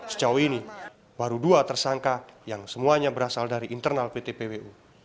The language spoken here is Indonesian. sejauh ini baru dua tersangka yang semuanya berasal dari internal pt pwu